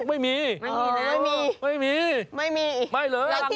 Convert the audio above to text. ไม่มีไม่มี